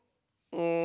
うん。